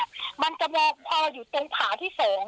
เออเดี๋ยวจะให้เขาทรงกลิ่นกลิ่นทูกกว่ากลิ่นเหม็นนะ